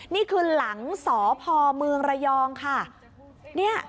นี่คือหลังสอพอเมืองระยองค่ะเนี่ย